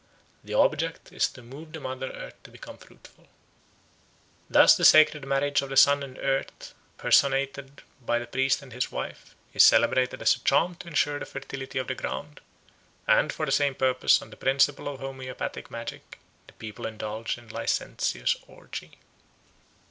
The object is to move the mother earth to become fruitful." Thus the Sacred Marriage of the Sun and Earth, personated by the priest and his wife, is celebrated as a charm to ensure the fertility of the ground; and for the same purpose, on the principle of homoeopathic magic, the people indulge in licentious orgy.